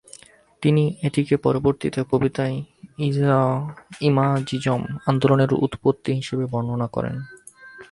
তিনি এটিকে পরবর্তীতে কবিতায় ইমাজিজম আন্দোলনের উৎপত্তি হিসাবে বর্ণনা করেন।